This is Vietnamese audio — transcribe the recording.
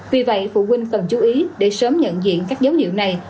vì vậy phụ huynh cần chú ý để sớm nhận diện các dấu hiệu này